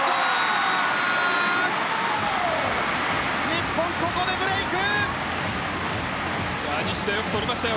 日本、ここでブレーク。